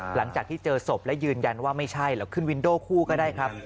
หลังจากที่เจอศพและยืนยันว่าไม่ใช่เราขึ้นวินโด่คู่ก็ได้ครับ